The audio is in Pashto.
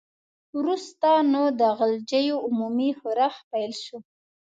وروسته نو د غلجیو عمومي ښورښ پیل شو.